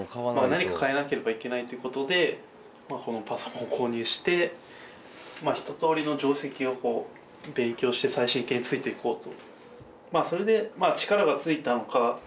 何か変えなければいけないっていうことでこのパソコンを購入して一とおりの定跡を勉強して最新形についていこうと。